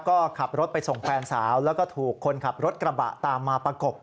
ก็ขับรถไปส่งแฟนสาวแล้วก็ถูกคนขับรถกระบะตามมาประกบ